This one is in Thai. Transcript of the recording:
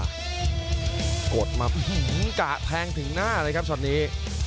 ตกกดมาอืหืหี้จริงแปลงถึงหน้าเลยครับชอบนี้